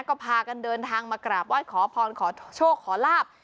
ก็พากันเดินทางมากราบไหว้ขอพรขอโชคขอลาบ